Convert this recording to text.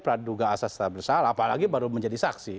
praduga asas bersalah apalagi baru menjadi saksi